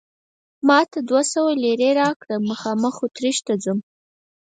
ما ته دوه سوه لیرې راکړه، مخامخ اتریش ته ځم.